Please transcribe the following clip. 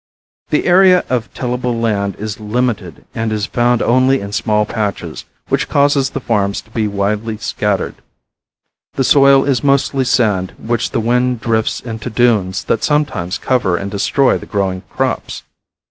The area of tillable land is limited and is found only in small patches, which cause the farms to be widely scattered. The soil is mostly sand which the wind drifts into dunes that sometimes cover and destroy the growing crops.